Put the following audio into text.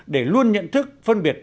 để luôn nhận thức phân biệt